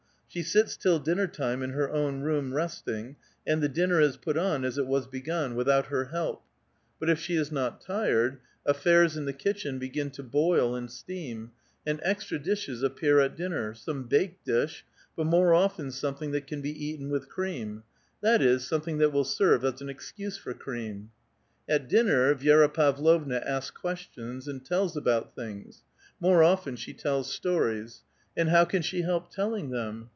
She sits till dinner time in her own room, resting, and the dinner is put on as it was begun, A VITAL QUESTION. 187 *wiihout ber help. But if she is not tired, nfTairs in the kitchen begin to boil and steam, and extra dishes appear at dinner, some baked dish, but more often something tiiat can be eaten with cream ; that is, something that will serve as an excuse for cream. At dinner Vi^ra Pavlovna asks questions and tells about things ; more often she tells stories. And how can she help telling them?